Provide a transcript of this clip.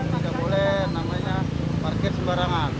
tidak boleh namanya parkir sembarangan